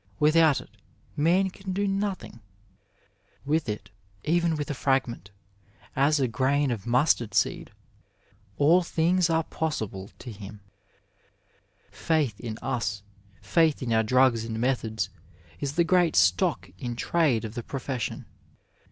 Without it, man can do nothing; with it, even with a fragment, as a grain of mustard seed, all things are possible to him; Faith in us, &ith in our drugs and methods, is the great stock in trade of the profession.